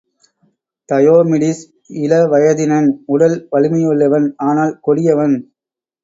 Diomedes இளவயதினன் உடல் வலிமையுள்ளவன் ஆனால் கொடியவன்.